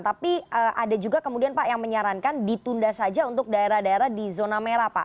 tapi ada juga kemudian pak yang menyarankan ditunda saja untuk daerah daerah di zona merah pak